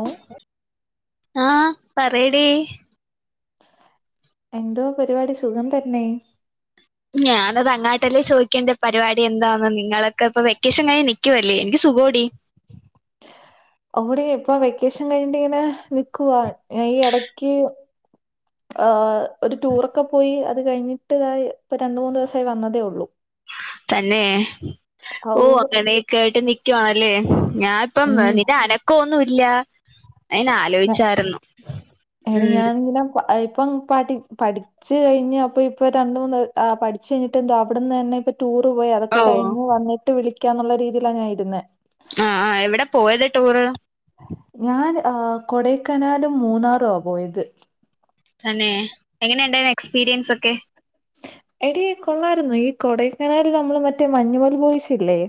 ഓ ആഹ് പറയെടി എന്തോ പരിപാടി സുഖം തന്നെ ഞാനതങ്ങാട്ടല്ലേ ചോയിക്കണ്ടേ പരിപാടി എന്താന്ന് നിങ്ങളൊക്കെ ഇപ്പൊ വെക്കേഷൻ കഴിഞ്ഞ് നി ക്കുവല്ലേ എനിക്ക് സുഖവാടി അവിടെ ഇപ്പൊ വെക്കേഷൻ കഴിഞ്ഞിട്ടിങ്ങനെ നിക്കുവാ ഈ എടക്ക് ആ ഒരു ടൂറൊക്കെ പോയി അത് കഴിഞ്ഞിട്ട്താ ഇപ്പ രണ്ട് മൂന്ന് ദിവസായി വന്നതേ ഒള്ളൂ തന്നെ ഔ ഓ അങ്ങനെയൊക്കെ ആയിട്ട് നിക്കുവാല്ലേ ഞാൻ ഇപ്പം ഉം നിന്റെ അനക്കൊന്നുയില്ല അയിന് ആ ട എടി ഞാനെന്തിനാ ക്വാ ഇപ്പം പഠി പഠിച്ച് കഴിഞ്ഞ് അപ്പ ഇപ്പൊ രണ്ട്മൂന്ന് പഠിച്ച് കഴിഞ്ഞിട്ട് എന്തോ അവിടുന്ന് തന്നെ ഇപ് ടൂർ പോയി അതൊക്കെ ഓഹ് കഴിഞ്ഞ് വന്നിട്ട് വിളിക്കാന്നുള്ള രീതിയിലാ ഞാനിരുന്നേ ആ ആ എവിടെ പോയത് ടൂറ് ഞാൻ ആ കൊടൈക്കനാലും മൂന്നാറുവാ പോയത് തന്നെ എങ്ങനെണ്ടാരുന്നു എക്സ്പീരിയൻസൊക്കെ എടി കൊള്ളാരുന്നു ഈ കൊടൈക്കനാല് നമ്മള് മറ്റേ മഞ്ഞുമൽ ബോയിസില്ലെ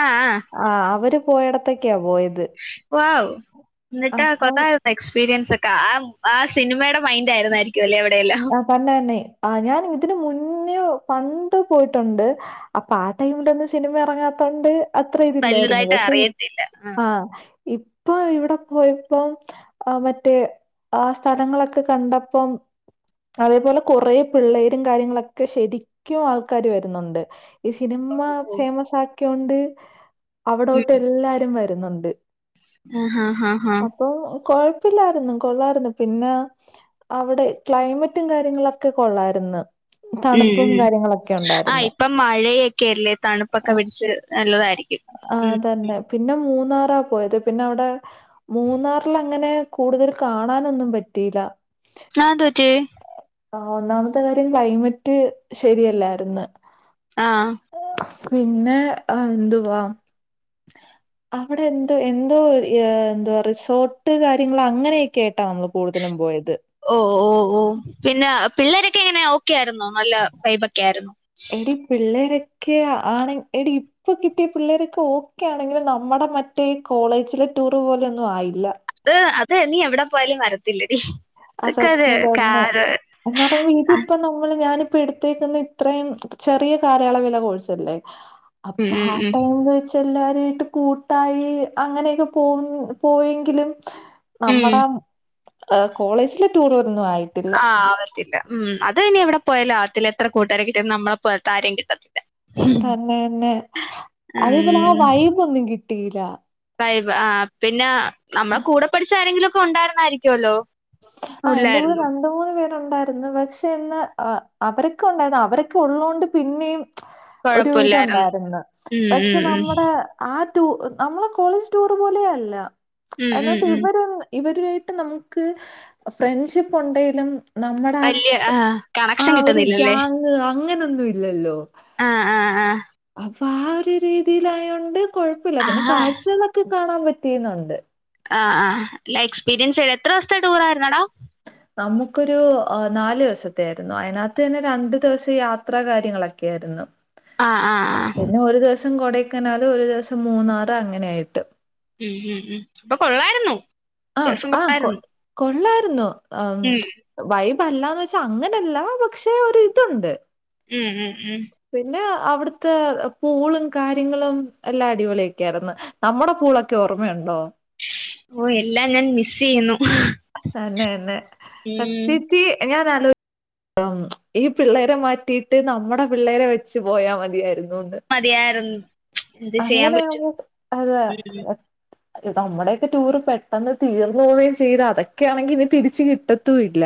ആഹ് ആഹ് ആ അവര് പോയടത്തക്കാ പോയത് വൗ ഇന്ന്ട്ടാ അപ്പം കഥാ എക്സ്പീരിയൻസൊക്കെ ആ ആ സിനിമയുടെ മൈന്റായിരുന്നായിരിക്കൊല്ലേ അവിടെയെല്ലാം? തന്നെന്നെ ആ ഞനിതിന് മുന്നെ പണ്ട് പോയ്ട്ടുണ്ട്. അപ്പൊ ആ ടൈമിലൊന്നും സിനിമ എറങ്ങാത്തോണ്ട് അത്ര ഇതില്ലായിരുന്നു വലുതായിട്ട് പക്ഷേ അറിയത്തില്ല ആഹ് ഇപ്ആഹ് ഇപ് ആണ് ഇവിടെ പോയപ്പോം ആ മറ്റേ ആ സ്ഥലങ്ങളൊക്കെ കണ്ടപ്പം അതേപോലെ കൊറെ പിള്ളേരും കാര്യങ്ങളൊക്കെ ശരിക്കും ആൾക്കാാര് വരുന്നുണ്ട്. ഈ സിനിമ ഫേമസാക്കിയോണ്ട് ഉം അവിടോട്ട് എല്ലാരും വരുന്നുണ്ട്. ആഹ് ആഹ ആഹ ഓ ഓ കൊഴപ്പല്ലായിരുന്നു കൊള്ളായിരുന്നു. പിന്നെ അവിടെ ക്ലൈമറ്റും കാര്യങ്ങളൊക്കെ കൊള്ളായിര്ന്ന് ഉം ഉം ആ ഇപ്പം മഴയൊക്കെല്ലേ തണുപ്പൊക്കെ പിടിച്ച് നല്ലതായിരിക്കും. ആഹ് ഉം തന്നെ പിന്നെ മൂന്നാറാ പോയത് പിന്നെ അവിടെ മൂന്നാറിലങ്ങനെ കൂടുതല് കാണാനൊന്നും പറ്റിയില ആ അതെന്തറ്റി? ആ ഒന്നാമത്തെ കാര്യം ക്ലൈമറ്റ് ശരിയല്ലായ്ര്ന്ന് ആഹ് പിന്നെ എന്തുവാ അവിടെ എന്തോ എന്തോ ഒ ഏഹ് എന്തോ റിസോർട്ട് കാര്യങ്ങളങ്ങനെയൊക്കെയായിട്ടാ നമ്മള് കൂടുതലും പോയത്. ഓ ഓ ഓ പിന്നെ പിള്ളേരൊക്കെ എങ്ങനെ ഓക്കെയായിരുന്നോ നല്ല വൈബൊക്കെ ആയിരുന്നോ? എടി പിള്ളേരൊക്കെ ആണ് എടി ഇപ്പൊ കിട്ടിയ പിള്ളേരൊക്കെ ഓക്കെ ആണെങ്കിലും നമ്മടെ മറ്റേ ഈ കോളേജിലെ ടൂറ് പോലൊന്നും ആയില്ല ഇഹ് അത് ഇനി എവിടെ പോയാലും വരത്തില്ലടി. അതൊക്കൊരു കാലം. എന്നറയുമ്പോ ഇതിപ്പോ നമ്മള് ഞാനിപ്പോ എടുത്തേക്കുന്ന ഇത്രേം ചെറിയ കാലയളവിലെ കോഴ്സല്ലേ ഉം അപ്പാ ഉം ആ ഉം ടൈമ് വെച്ച് എല്ലാരായിട്ട് കൂട്ടായി അങ്ങനെയൊക്കെ പോന്നു പോയെങ്കിലും ഉം നമ്മടെ ഹ് കോളേജിലെ ടൂറ് ഒന്നും ആയി ആഹ് ആവത്തില്ല. ഉം അത് പിന്നെ എവിടെ പോയാലും ആവത്തില്ല എത്ര കൂട്ടുകാരെ കിട്ടിയാലും നമ്മളെ പോലത്തെ ആരേം കിട്ടത്തില്ല. ഉം തന്നെതന്നെ അത്പോലെ ആ വൈബോന്നും കിട്ടിയീല്ലാ. വൈബ് ആഹ് പിന്നെ നമ്മളെ കൂടെ പഠിച്ച ആരെങ്കിലൊക്കെ ഉണ്ടായിരുന്നായിരിക്കോല്ലോ? ആഹ് എന്റെ കൂടെ വന്ന് മൂന്ന് പേരുണ്ടായിരുന്നു. പക്ഷെ ഇന്ന് ആഹ് അവരൊക്കെ ഉണ്ടായിരുന്നു അവരൊക്കെ ഉള്ളോണ്ട് പിന്നേം ഒരു കൊഴപ്പല്ലായിരുന്നു ത്ണ്ടായിരുന്നു. ഉം പക്ഷെ ഉം ഉം നമ്മടെ ആ ടൂർ നമ്മളെ കോളേജ് ടൂറ് പോലെയേ അല്ല. ഉം ഉം ഉം എന്നിട്ടിവരന്ന് ഇവരുവായിട്ട് നമുക്ക് ഫ്രണ്ട്ഷിപ്പുണ്ടെലും നമ്മുടെ അ വല്യ ആഹ് ആ കണക്ഷൻ ഒരു കിട്ടുന്നില്ലല്ലേ ഗ്യാങ് അങ്ങനൊന്നും ഇല്ലല്ലോ ആഹ് ആഹ് ആഹ് അപ്പൊ ആ രു രീതിയിലായോണ്ട് കൊഴപ്പല്ല പിന്നെ ആഹാ കാഴ്ച്ചാള്ള് ഒക്കെ കാണാൻ പറ്റീന്നുണ്ട്. ആ ആ ല്ല എക്സ്പീരിയൻസായിരുന്നു. എത്ര ദിവസത്തെ ടൂറായിരുന്നടാ? നമുക്കൊരു ആഹ് നാല് ദിവസത്തെ ആയിരുന്നു. അതിനകത്തന്നെ രണ്ടു ദിവസം യാത്ര കാര്യങ്ങളൊക്കെ ആയിരുന്നു. ആഹ ആഹ ആഹ ഒരു ദിവസം കൊടേക്കനാല് ഒരു ദിവസം മൂന്നാറ് അങ്ങനെയായിട്ട് ഉം ഉം ഉം അപ്പൊ കൊള്ളായിരുന്നു? ആഹ് അത്യാവശ്യം ആഹ് കൊ കൊള്ളായിരുന്നു കൊള്ളായിരുന്നു ആഹ് ഉം വൈബല്ലാന്ന് വച്ചാ അങ്ങനെല്ല പക്ഷെ ഒരിതുണ്ട്. ഉം ഉം ഉം പിന്നെ അവിടുത്തെ പൂളും കാര്യങ്ങളും എല്ലാം അടിപൊളിയൊക്കെയിരുന്നു. നമ്മടെ പൂളൊക്കെ ഓർമ്മയുണ്ടോ? ഓ എല്ലാം ഞാൻ മിസ്എയ്യുന്നു തന്നെ തന്നെ സത്യത്തി ഞാനാലോച് ഈ പിള്ളേരെ മാറ്റിയിട്ട് നമ്മടെ പിള്ളേരെ വെച്ച് പോയാ മതിയായിരുന്നുന്ന് മതിയായിരുന്നു എന്ത് ചെയ്യാൻ പറ്റും അങ്ങനെയാവുമ്പൊ അതെ ഉം നമ്മടെയൊക്കെ ടൂറ് പെട്ടെന്ന് തീർന്നോവേം ചെയ്ത് അതൊക് ഒക്കെ ആണെങ്കി ഇനി തിരിച്ച് കിട്ടത്തുയില്ല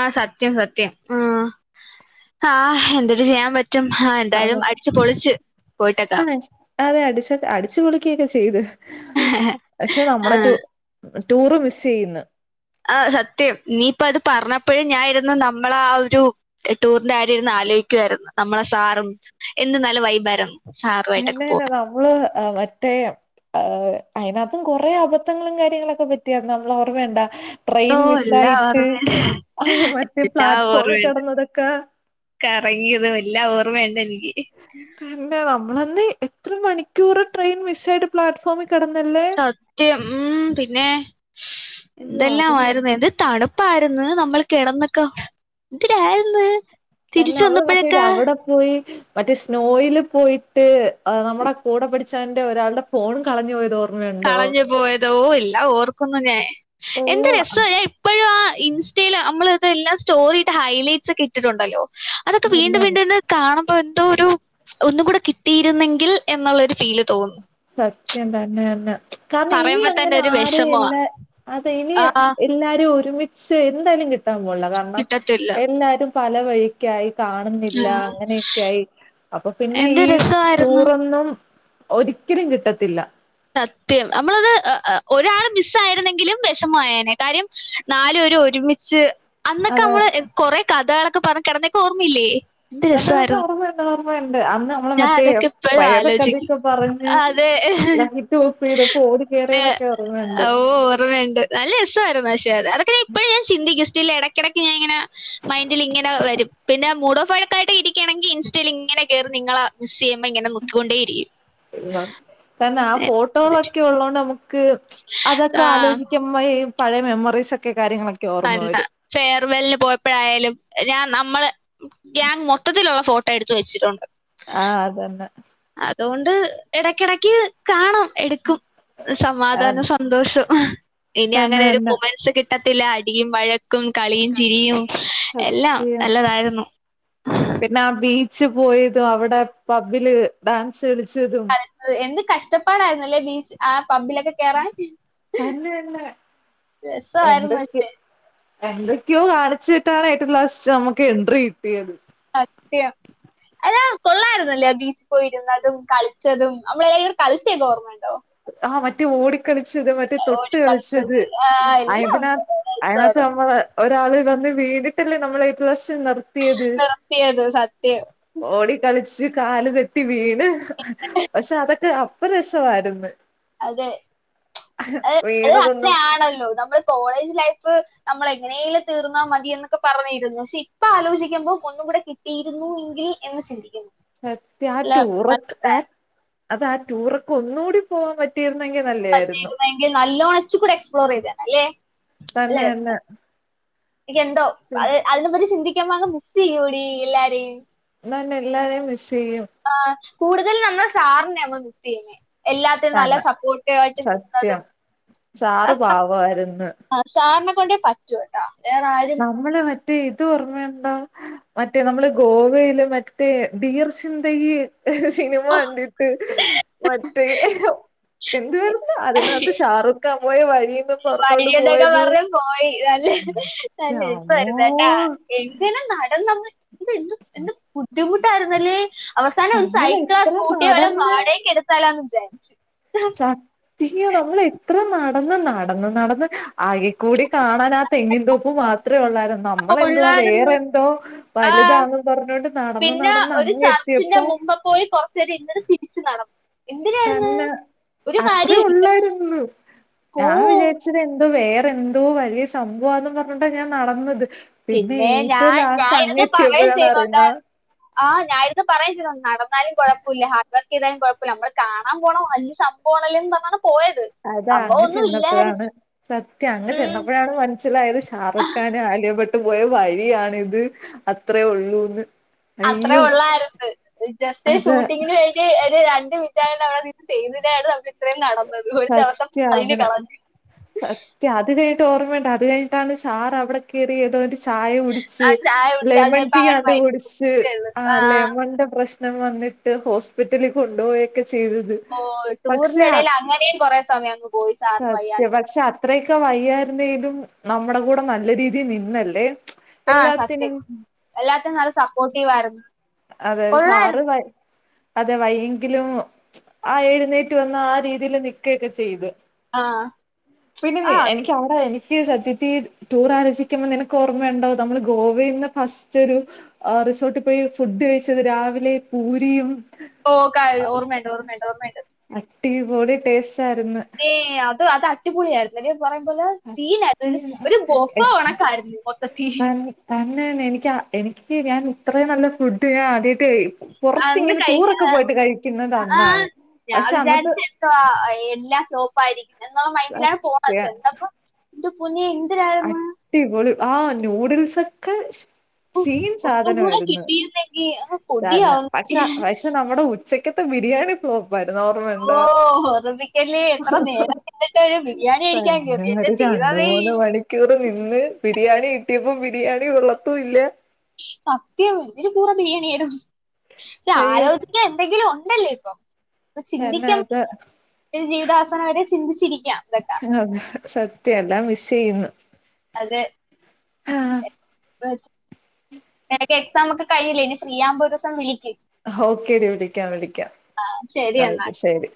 ആഹ് സത്യം സത്യം ആഹ് ആഹ് എന്തര് ചെയ്യാൻ പറ്റ് റ്റും ആഹ് അതെ എന്തായാലും അടിച്ച് പൊളിച്ച് പോയിട്ടൊക്ക ആഹ് അതെ അടിച്ചൊകെ അടിച്ച് പൊളിക്കേം ഒക്കെ ചെയ്ത് പക്ഷെ നമ്മടെ ആഹ് റ്റൂ ടൂറ് മിസ് ചെയ്യുന്ന് ആഹ് സത്യം നീയിപ്പത് പറഞ്ഞപ്പഴ് ഞാൻ ഇരുന്ന് നമ്മളെ ആ ഒരു എ ടൂറിന്റെ കാര്യം ഇര്ന്ന് ആലോയിക്കാര് ന്ന് നമ്മളെ സാറും എന്ത് നല്ല വൈബായിര്ന്ന് തന്നെ തന്നെ നമ്മള് എ മറ്റേ ആതേ അയിനാത്തും കൊറേ അബദ്ധങ്ങളും കാര്യങ്ങളൊക്കെ പറ്റിയാര്ന്നു നമ്മളോർമ്മയുണ്ടോ ട്രെയിൻ ഓ എല്ലാം മിസ്സായിട്ട് ഓർമ്മയുണ്ട് അയ്യോ മറ്റെ എല്ലാം പ്ലാറ്റ്ഫോമിൽ ഓർമ്മയുണ്ട് കെടന്നതൊക്കെ കറങ്ങിയതും എല്ലാം ഓർമ്മയുണ്ടെനിക്ക് പിന്നെ നമ്മളന്ന് എത്ര മണിക്കൂറ് ട്രെയിൻ മിസ്സായിട്ട് പ്ലാറ്റ്ഫോമീ കിടന്നല്ലേ സത്യം ഉം പിന്നെ അയ്യോ അത് എന്തെല്ലാവായിര്ന്ന് ഇത് തണുപ്പ് [unintelligible] നമ്മൾ കിടന്നൊക്കെ എന്തരായിരുന്ന് തന്നെ തിരിച്ച് അവള് മറ്റേ വന്നപ്പഴൊക്കെ അവിടെ പോയി മറ്റേ സ്നോയില് പോയിട്ട് അത് നമ്മടെ കൂടെ പഠിച്ചവന്റെ ഒരാളുടെ ഫോൺ കളഞ്ഞു പോയതോർ കളഞ്ഞു പോയതോ ഇല്ല ഓർക്കുന്നു ഞാൻ എന്ത് ഓഹ് രസാ ലേ ഇപ്പഴും ആ ഇൻസ്റ്റേയില് അമ്മള് ഇതെല്ലാം സ്റ്റോറിട്ട് ഹൈലൈറ്റ്സ് ഒക്കെ ഇട്ടിട്ടൊണ്ടല്ലോ അതൊക്കെ വീണ്ടും അതന്നെ വീണ്ടുഇന്ന് കാണുമ്പോ എന്തോ ഒരു ഒന്നു കൂടെ കിട്ടിയിരുന്നെങ്കിൽ എന്നുള്ളൊരു ഫീല് തോന്നും സത്യം തന്നെയന്നെ കാരണം ഇനി പറയുമ്പോ തന്നെ അങ്ങനെ ഒരു ആര് വിഷമമാ ഇല്ലെ അതെ ഇനി ആ എല്ലാരും ഒരുമിച്ച് എന്തായാലും കിട്ടാൻ പോണില്ല കാരണം കിട്ടത്തില്ല എല്ലാരും പല വഴി ക്കായി കാണുന്നില്ല ആഹ് അങ്ങനെയൊക്കെയായി അപ്പൊ പിന്നെ എന്ത് ഈ രസമായിരുന്നു റ്റൂറൊന്നും ഒരിക്കലും കിട്ടത്തില്ല സത്യം അമ്മള്ത് ഒരാള് മിസ്സായിരുന്നെങ്കിലും വെഷമായേനെ കാര്യം നാലു പേരും ഒരുമിച്ച് അന്നൊക്കെ അതെ അമ്മള് കൊറെ കഥകളൊക്കെ പറഞ്ഞ് കെടന്നൊക്കെ ഓർമ്മയില്ലേ? എന്ത് തന്നെ തന്നെ രസമായിരുന്നു ഓർമ്മയുണ്ട് ഓർമ്മയുണ്ട് അന്ന് മ്മളെ ഞാൻ മറ്റേ അതൊക്കെ ഇപ്പഴും പ്രേത ആലോചിക്കും കഥയൊക്കെ പറഞ്ഞ് അതെ ലൈറ്റ് ഓഫ് ചെയ്തപ്പോ ഓടി കേയറിയതൊക്കെ ഓർമണ്ട് ഓ ഓർമ്മയുണ്ട്. നല്ല രസവായിരുന്നു പക്ഷേ അത് അതൊക്കെ നീ ഇപ്പഴ് ങ്ങനെ ചിന്തിക്കും സ്റ്റിൽ എടക്കെടയ്ക്കിങ്ങനെങ്ങനെ മൈൻഡിൽ ഇങ്ങനെ വരും പിന്നെ മൂഡോഫാഴിക്കായിട്ട് ഇരിക്കണെങ്കി ഇൻസ് ഇൻസ്റ്റേല് ഇങ്ങനെ കേറി നിങ്ങളെ മിസ്സ് ചെയ്യുമ്പോ ഇങ്ങനെ നോക്കിക്കൊണ്ടേ ഇരിക്കും കാരണം ആ ഫോട്ടോകളൊക്കെ ഒള്ളതോണ്ട് നമുക്ക് അതൊക്കെ ആഹ് ആലോചിക്കു ഉമ്മയേയും പഴേ മെമ്മറീസൊക്കെ കാര്യങ്ങളൊക്കെ ഓർമ്മ വരണ്ട വരും രഫെയർവെല്ലിന് പോയപ്പോഴായാലും രാ നമ്മള് ഗ്യങ് മൊത്തത്തിലുള്ള ഫോട് എടുത്ത് വെച്ചിട്ടൊണ്ട് ആ അതെന്നെ അതുകൊണ്ട് എടക്കെടക്ക് കാണും എടുക്കും സമാധാനം സ സന്തോഷം ഇനി തന്നെ അങ്ങനെ ഒരു തന്നെ കുമൻസ് കിട്ടത്തില്ല അടിയും വഴക് ക്കും കളിയും ചിരിയും എല്ലാം സത്യം നല്ലതായിരുന്നു പിന്നെ ആ ബീച്ച് പോയതും അവടെ പബ്ബില് ഡാൻസ് കളിച്ചതും എന്ത് കഷ്ടപ്പാടയിരുന്നല്ലേ ബീച് ആ പബ്ബിലൊക്കെ കേറാൻ തന്നെ തന്നെ രസവായിരുന്ന എന്തൊക്കെ [unintelligible] എന്തൊക്കെയോ കാണിച്ചിട്ടാണ് ഏറ്റം ലാസ്റ്റ് നമ്മുക്ക് എൻട്രി കിട്ടിയത്. സത്യം എല്ലാം കൊള്ളായ്ര്ന്നല്ലേ ആ ബീച്ച് പോയ്ര്ന്നതും കളിച്ചതും നമ്മളെല്ലാരും കൂടി കളിച്ചേക്കെ ഓർമ്മണ്ടോ ആ മറ്റേ ഓടിക്കളിച്ചത് മറ്റേ തൊട്ട് ഓടി കളിച്ചത് ആ എല്ലാം അയ്തിനാ ഉണ്ട് അയ്നകത്ത് രസമായിരുന്നു നമ്മള് ഒരാള് വന്ന് വീണിട്ടല്ലേ നമ്മള് [unintelligible] നടത്തിയത് സത്യം ഓടി കളിച്ച് കാല് തെറ്റി വീണ് പക്ഷെ അതൊക്കെ അപ്പ രസവാര്ന്ന് അതെ അത് അത് അങ്ങ്നെ വീണതൊന്നും ആണല്ലോ നമ്മള് കോളേജ് ലൈഫ് നമ്മള് എങ്ങനേലും തീർന്നാ മതിയെന്നൊക്കെ പറഞ്ഞിരുന്നു ഷെ ഇപ്പ ആലോചിക്കുമ്പോ ഒന്നും കൂടെ കി ട്ടിയിരുന്നു എങ്കിൽ എന്ന് ചിന്തിക്കുന്നു സത്യാ ആഹ് അല്ല ടൂറെക് ഏ അതാ ആ ടൂറൊക്കെ ഒന്നൂടി പോവാൻ പറ്റിയിര്ന്നെങ്കി നല്ലെയായ്ര്ന്നു മറ്റേ നല്ലോണം ഇച്ചിരി കൂടെ എക്സ്പ്ലോർ ചെയ്തേനെ അല്ലേ അല്ലെ തന്നെ തന്നെ എനിക്കെന്തോ അത് അതിനെ പറ്റി ചിന്തിക്കുമ്പൊ അങ്ങ് മിസ്സെയ്യൂടീ എല്ലാരേം എന്നാപ്പിന്നെ എല്ലാരേം മിസ്സെയ്യും ആഹ് കൂട്തല് നമ്മള് സാറ്നെ മ്മള് മിസ്സെയ്ന്നേ എല്ലാത്തിനും നല്ല തന്നെ സപ്പോട്ടീവായിട്ട് സത്യം നിന്നതും അ സാറ് പാവമായിരുന്നു ആഹ് സാറ്നെ കൊണ്ടേ പ നമ്മള് മ റ്റേ ഇത് ഓർമയ്ണ്ടോ മറ്റേ നമ്മള് ഗോവയില് മറ്റേ ഡിയർ സിന്തഗി സിനിമ കണ്ടിട്ട് മറ്റേ എന്തുവായ്ര്ന്ന് അതിനകത്ത് ഷാറൂഖാം പോയ വഴിയൊക്കെ പർഞ്ഞോണ്ട് വഴിയെന്നൊക്കെ പോയത് പറഞ്ഞ് പോയി നല്ലെ നല്ലെ ന്റമ്മോ രെസായ്രുന്നേട്ടാ എ പിനെ നടന്നങ്ങ് ഇത് എന്തു എന്ത് ബുദ്ധിമുട്ടായ്ര്ന്നല്ലേ അവസാനം സൈക്കിളോ, നമ്മളെത്ര സ്കൂട്ടിയോ വല്ലോം നടന്ന് വാടക്ക് എടുത്താലോന്ന് വിചാരിച്ച്. ധിയോ നമ്മൾ എത്ര നടന്ന് നടന്ന് നടന്ന് ആ കൂടി കാണാൻ ആ തെങ്ങിൻതോപ്പ് മാത്ര ഒള്ളായിരുന്നു ആ, നമ്മളെന്തുവാ ഉള്ളായിരുന്നു വേറെന്തോ ആ വല്താന്നും പർഞ്ഞോണ്ട് നടന്ന് പിന്നെ നടന്ന് ഒരു അങ്ങ് ചർച്ചിന്റെ എത്തിയപ്പം മുമ്പ് പോയി കൊറച്ചേരം ഇര്ന്ന്ട്ട് തിരിച്ച് നട തന്നെ അത്രെ ഒള്ളായ്ര്ന്നു ഓ ഞാൻ വിചാര്ച്ച് ത്തിതെന്തോ വേറെന്തോ വല്യ സംഭവാന്നും പർഞ്ഞാേണ്ടാ ഞാൻ നടന്നത് പിന്നെ പിന്നേ ഞാ ഏറ്റവും ഞാ ലാസ്റ്റ് ഇര്ന്ന് പറയും അങ്ങെത്തിയപ്പഴാണ് ചെയ്യ്ന്നുണ്ടാ അറിയുന്ന ആഹ് ഞാ ഇര്ന്ന് പറയും ചെയ്തു നടന്നാലും കൊഴപ്പുല്ല ഹാർഡ് വർക്കെയ്താലും കൊഴ പ്പല നമ്മള് കാണാം പോണ വല്യ സംഭവാണല്ലോന്നും പർഞ്ഞാണ് പോയത് അതാ സംഭവം അങ്ങ് ഒന്നും ഇല്ലായിരുന്നു ചെന്നപ്പഴാണ് സത്യം അങ്ങ് ഉം, ചെന്നപ്പഴാണ് മൻസ്സിലായത് ഷാറൂഖാനും ആലിയാ ഭ പോയ വഴിയാണിത് അത്രേ ഒള്ളൂന്ന് അത്രേ ഒള്ളായ്ര്ന്ന് ജസ്റ്റ് എ അത് ഷൂട്ടിങ്ങിന് വേണ്ടി എര് രണ്ട് മി യോണ്ട് അവടെ നീത് ചെയ്യ്ന്നതാണ് നമ്മക്ക് ഇത്രേം നടന്നത് ഒരു ദിവസം അതിന് കളഞ്ഞ് ക്ക് അത് കഴിഞ്ഞ്ട്ട് ഓർമ്മയ്ണ്ടോ അത് കഴ്ഞ്ഞിട്ടാണ് സാറ് അവിടെ കേറി ഏതോ ഒര് ചായ കുടിച്ച് ആ ചായ കുടിച്ച് ലെമെൺ അതിനിപ്പോ ടീ അങ്ങനെ ആണ്ട് മരിച്ചു കുട്ച്ച് ആ ആഹ് ലെമെൺന്റെ പ്രശ് ശ്നം വന്നിട്ട് ഹോസ്പിറ്റലി കൊണ്ട് പോയൊക്കെ ചെയ്തത് ഓഹ് ടൂറ്ന്റെ പക്ഷെ എടെയില് അങ്ങെനേം കൊറേ സമയം അങ്ങ് പോയി സാറിന് സത്യം വയ്യാണ്ട് പക്ഷെ അത്രെയൊക്കെ വയ്യായ്ര്ന്നേലും നമ്മടെ കൂടെ നല്ല രീതി നിന്നല്ലേ ആഹ് സത്യം എല്ലാത്തിനും എല്ലാത്തിനും നല്ല സപ്പോട്ടീവായ്ര്ന്ന് അതെ സാറ് ഭ അതെ വയ്യെങ്കിലും ആഹ് എഴ്ന്നേറ്റ് വന്ന് ആ രീതിയില് നിക്കെക്കെ ചെയ്തു ആ പിന്നെ ആ നീ എനിക്ക് അവ്ടെ എനിക്ക് സത്യത്തി ടൂറാലോചിക്കുമ്പൊ നിനക്ക് ഓർമ്മയ്ണ്ടോ നമ്മള് ഗോവേന്ന് ഫസ്റ്റൊരു അ റിസോട്ട് പോയ് ഫുഡ് കഴിച്ചത് രാവിലെ പൂരിയും ഓ കാര്യം ഓർമ്മയുണ്ട് ഓർമ്മയുണ്ട് ഓർമ്മയുണ്ട്. അട്ടിപൊളി ടേസ്റ്റ് ആയിരുന്നു ഏ അത് അത് മറ്റേ പുളിയായിരുന്നു ഒരു പറയും പോലെ സീനായിരുന്നു ഒരു ഒരു ബൊഫ് കണക്കായിരുന്നു മൊത്തത്തിൽ. തന്നെ നിന്ന് എനിക്ക് എനിക്ക് ഞാൻ ഇത്രയും നല്ല ഫുഡ് ഞാൻ ആദ്യമായിട്ട് കഴുക. പുറത്ത് അന്ന് ഇങ്ങനെ കഴിക്കാൻ ടൂറൊക്കെ പോയിട്ട് കഴിക്കുന്നത് അന്നാണ് പക്ഷെ അന്നത്തെ സ് എല്ലാ സോപ്പ് ആയിരിക്കും, എന്നുള്ള മൈൻഡിലാ പോണത് സത്യ ചെന്നപ്പോൾ. എന്റെ പൊന്നെ എന്തരായിരുന്ന് അടിപൊളി ആഹ് നൂഡിൽസ് ഒക്കെ. ഉഫ്, സെയിം ഒന്നും കൂടെ സാധനമായിരുന്നു കിട്ടിയിരുന്നെങ്കി അങ്ങ് ഡാൽന കൊതിയാവുന്നു പക്ഷേ പ്രൈസ്. പക്ഷെ നമ്മുടെ ഉച്ചക്കത്തെ ബിരിയാണി ഫ്ലോപ്പാരുന്നു ഓർമ്മ ഓ എന്താ ഓർമ്മിക്കല്ലേ എത്ര നേരം എന്നിട്ട് ഒരു ബിരിയാണി കഴിക്കാൻ കയറി എന്റെ പറയുന്നങ്ങോട്ട്. ദൈവമേ [unintelligible] കേറി നിന്ന് ബിരിയാണി കിട്ടിയപ്പോ ബിരിയാണി കൊള്ളത്തില്ല. സത്യം ഇതിന് ഭേദം ബിരിയാണിയിരുന്നു, പക്ഷെ അയ്യോ ആലോചിക്കാൻ എന്തെങ്കിലും ഉണ്ടല്ലോ ഇപ്പൊ. ഇപ്പൊ തന്നെ ചിന്തിക്കാന്, അത് ജീവിതവസാനം വരെ ചിന്തിച്ചിരിക്കാം ഇതൊക്കെ. ആഹ് സത്യയാട്ടോ മിസ്സ്‌ ചെയ്യുന്നു. അതെ [unintelligible] എനിക്ക് എക്സാം ഒക്കെ കഴിഞ്ഞില്ലേ, ഇനി ഫ്രീ ആകുമ്പോ ഒരു ദിവസം വിളിക്ക്. ഓക്കേ ടി വിളിക്കാം വിളിക്കാം ശരി എന്നാൽ ഓക്കേ ശരി.